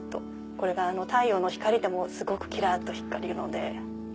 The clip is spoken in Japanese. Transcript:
これが太陽の光でもすごくキラっと光るので。